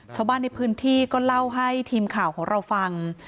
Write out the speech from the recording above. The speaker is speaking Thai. ชาวบ้านในพื้นที่ก็เล่าให้ทีมข่าวของเราฟัง